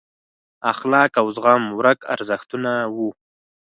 اخلاق او زغم ورک ارزښتونه وو.